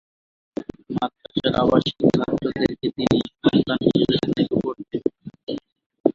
মাদ্রাসার আবাসিক ছাত্রদেরকে তিনি সন্তান হিসেবে স্নেহ করতেন।